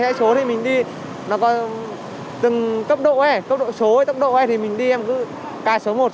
xe số thì mình đi nó có từng cấp độ ấy cấp độ số tốc độ ấy thì mình đi em cứ ca số một số hai đi được tốt